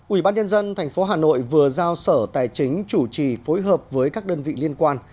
ủy ban nhân dân tp hà nội vừa giao sở tài chính chủ trì phối hợp với các đơn vị liên quan